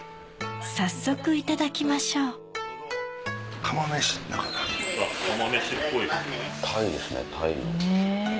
早速いただきましょう鯛ですね。